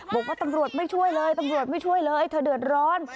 บอกว่าตำรวจไม่ช่วยเลยตำรวจไม่ช่วยเลยเธอเดือดร้อน